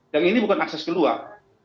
dan ini bukan akses keluar